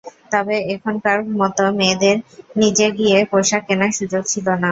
তবে এখনকার মতো মেয়েদের নিজে গিয়ে পোশাক কেনার সুযোগ ছিল না।